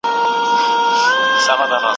په والله چي ته هغه یې بل څوک نه یې.